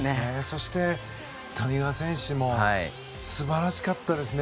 そして、谷川選手も素晴らしかったですね。